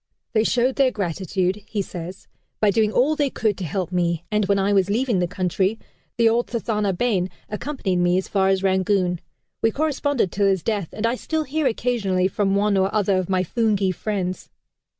"They showed their gratitude," he says, "by doing all they could to help me, and when I was leaving the country, the old Thathana bain accompanied me as far as Rangoon. We corresponded till his death, and I still hear occasionally from one or other of my Phoonghi friends."